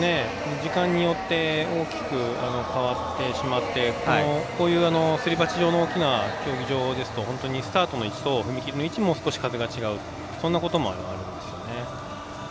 時間帯によって大きく変わってしまってこういう、すり鉢状の大きな競技場ですとスタートの位置と踏み切りの位置で風が違うということもありますよね。